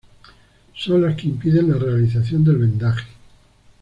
Son las que impiden la realización del vendaje.